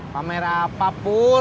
pamer apa pur